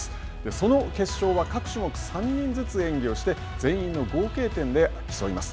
その決勝は、各種目３人ずつ演技をして、全員の合計点で競います。